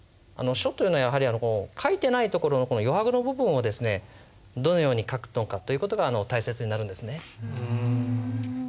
書というのはやはり書いてないところの余白の部分をどのように書くのかという事が大切になるんですね。